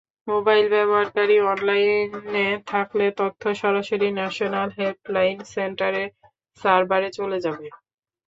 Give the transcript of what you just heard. Mobile ব্যবহারকারী অনলাইনে থাকলে তথ্য সরাসরি ন্যাশনাল হেল্পলাইন সেন্টারের সার্ভারে চলে যাবে।